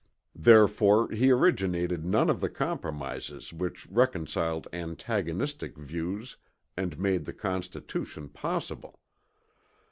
Therefore he originated none of the compromises which reconciled antagonistic views and made the Constitution possible.